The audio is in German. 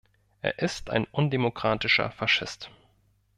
Er ist ein undemokratischer Faschist.